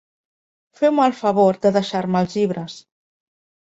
Feu-me el favor de deixar-me els llibres.